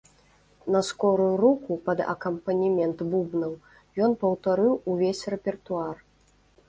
На скорую руку, пад акампанемент бубнаў, ён паўтарыў увесь рэпертуар.